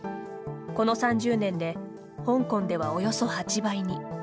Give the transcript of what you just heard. この３０年で香港ではおよそ８倍に。